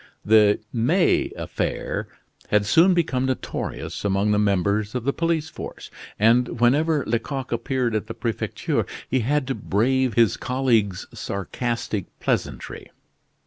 The "May affair" had soon become notorious among the members of the police force; and whenever Lecoq appeared at the Prefecture he had to brave his colleagues' sarcastic pleasantry.